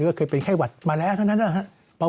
ก็เคยเป็นไข้หวัดมาแล้วนะ